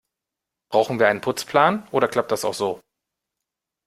Brauchen wir einen Putzplan, oder klappt das auch so?